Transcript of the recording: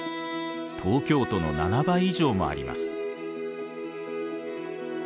東京都の７倍以上もあります。